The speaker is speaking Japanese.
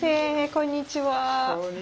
こんにちは。